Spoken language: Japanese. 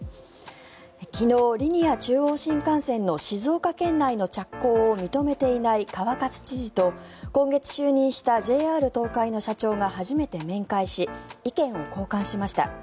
昨日、リニア中央新幹線の静岡県内の着工を認めていない川勝知事と今月就任したＪＲ東海の社長が初めて面会し意見を交換しました。